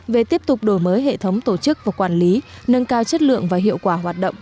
về tiếp tục đổi mới hệ thống tổ chức và quản lý nâng cao chất lượng và hiệu quả hoạt động